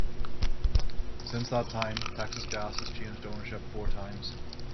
Since that time, Texas Gas has changed ownership four times.